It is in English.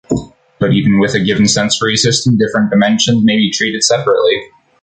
But even within a given sensory system different dimensions may be treated separately.